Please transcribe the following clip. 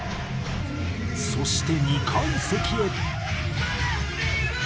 そして２階席へ。